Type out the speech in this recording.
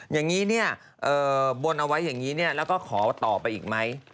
ตอนนี้เนี่ยบนเอาไว้อย่างนี้เนี่ยแล้วก็ขอต่อไปอีกไหม